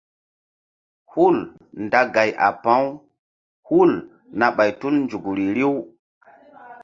Hul nda gay a pa̧ u hul na ɓay tul nzukri riw.